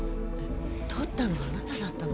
とったのあなただったの？